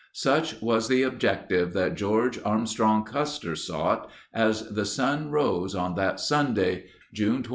Such was the objective that George Armstrong Custer sought as the sun rose on that Sunday, June 25, 1876.